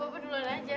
bapak duluan aja